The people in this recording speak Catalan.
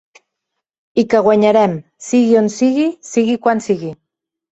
I que guanyarem, sigui on sigui, sigui quan sigui.